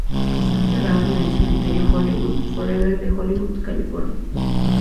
Fue enterrado en el Cementerio Hollywood Forever de Hollywood, California.